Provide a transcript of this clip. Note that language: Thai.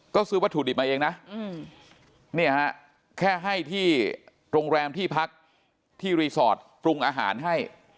ก็ซื้อวัตถุดิบมาเองนะเนี่ยฮะแค่ให้ที่โรงแรมที่พักที่รีสอร์ทปรุงอาหารให้